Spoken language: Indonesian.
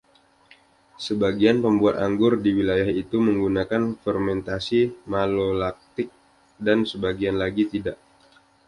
Sebagian pembuat anggur di wilayah itu menggunakan fermentasi malolaktik dan sebagian lagi tidak.